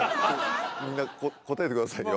みんな答えてくださいよ？